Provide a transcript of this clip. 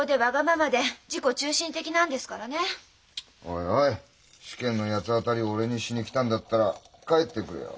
おいおい試験の八つ当たりを俺にしに来たんだったら帰ってくれよ。